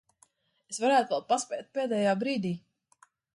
Es varētu vēl paspēt pēdējā brīdī.